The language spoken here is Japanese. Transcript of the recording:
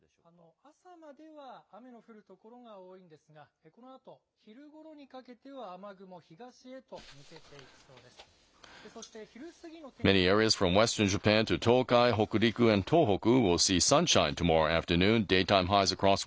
朝までは雨の降る所が多いんですが、このあと昼ごろにかけては、雨雲、東へと抜けていきそうです。